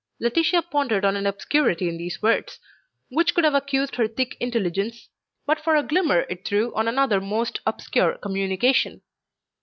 Laetitia pondered on an obscurity in these words which would have accused her thick intelligence but for a glimmer it threw on another most obscure communication.